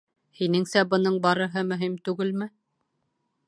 Һинеңсә бының барыһы мөһим түгелме?